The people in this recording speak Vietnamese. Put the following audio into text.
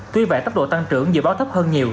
tuy vậy tốc độ tăng trưởng dự báo thấp hơn nhiều